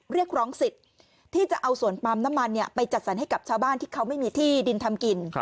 เรียกร้องสิทธิ์ที่จะเอาส่วนปั๊มน้ำมันไปจัดสรรให้กับชาวบ้านที่เขาไม่มีที่ดินทำกิน